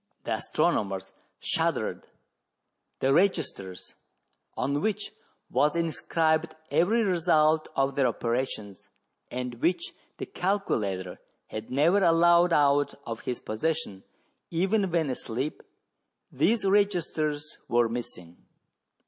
The astronomers shuddered ; the registers, on which was inscribed every result of their operations, and which the calculator had never allowed out of his possession, even when asleep, these registers were missing.